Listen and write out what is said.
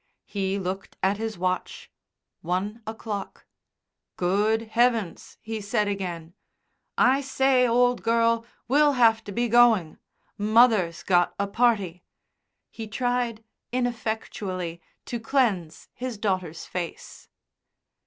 He looked at his watch one o'clock. "Good heavens!" he said again. "I say, old girl, we'll have to be going. Mother's got a party." He tried ineffectually to cleanse his daughter's face.